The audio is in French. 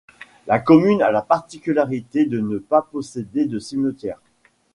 La commune a la particularité de ne pas posséder de cimetière.